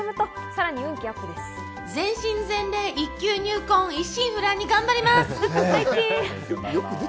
全身全霊、一球入魂、一心不乱に頑張ります！